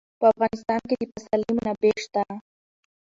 په افغانستان کې د پسرلی منابع شته.